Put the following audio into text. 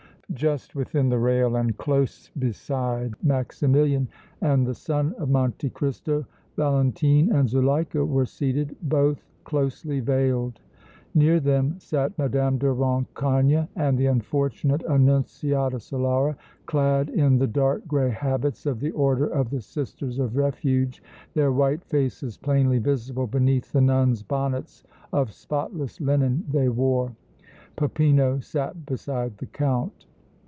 Just within the rail and close beside Maximilian and the son of Monte Cristo Valentine and Zuleika were seated, both closely veiled. Near them sat Mme. de Rancogne and the unfortunate Annunziata Solara, clad in the dark gray habits of the Order of the Sisters of Refuge, their white faces plainly visible beneath the nuns' bonnets of spotless linen they wore. Peppino sat beside the Count.